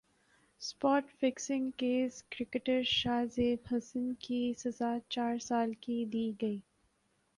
spot fixing case cricketer Shahzaib Hasan کی سزا چار سال کر دی گئی